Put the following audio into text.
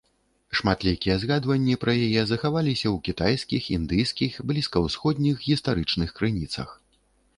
Шматлікія згадванні пра яе захаваліся ў кітайскіх, індыйскіх, блізкаўсходніх гістарычных крыніцах.